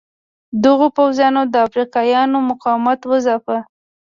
دغو پوځیانو د افریقایانو مقاومت وځاپه.